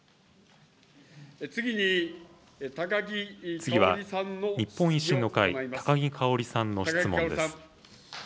次は日本維新の会、高木かおりさんの質問です。